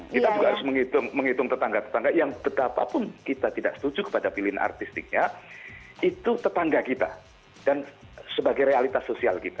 kita juga harus menghitung tetangga tetangga yang betapapun kita tidak setuju kepada pilihan artistiknya itu tetangga kita dan sebagai realitas sosial kita